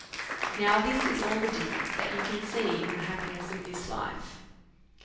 Now, this is all the difference that you can see in the happiness of this life.